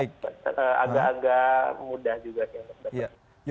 baik agak agak mudah juga ya